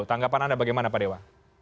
tanggapan anda bagaimana pak dewa